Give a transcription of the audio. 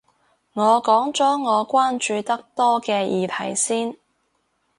我講咗我關注得多嘅議題先